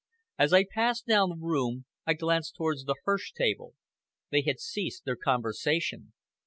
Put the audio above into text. As I passed down the room, I glanced towards the Hirsch table. They had ceased their conversation.